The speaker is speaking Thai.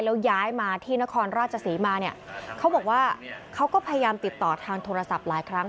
แล้วย้ายมาที่นครราชศรีมาเนี่ยเขาบอกว่าเขาก็พยายามติดต่อทางโทรศัพท์หลายครั้ง